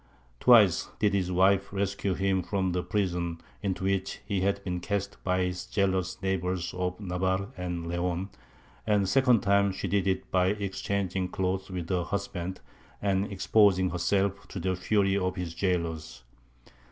Twice did his wife rescue him from the prison into which he had been cast by his jealous neighbours of Navarre and Leon, and the second time she did it by exchanging clothes with her husband and exposing herself to the fury of his jailers.